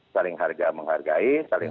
saling menghargai saling